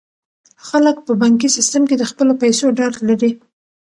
خلک په بانکي سیستم کې د خپلو پیسو ډاډ لري.